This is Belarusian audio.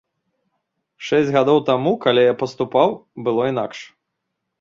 Шэсць гадоў таму, калі я паступаў, было інакш.